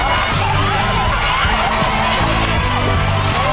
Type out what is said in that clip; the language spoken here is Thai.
โอ้โอ้